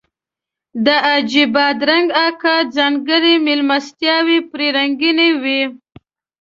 د حاجي بادرنګ اکا ځانګړي میلمستیاوې پرې رنګینې وې.